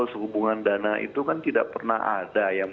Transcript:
sehubungan dana itu kan tidak pernah ada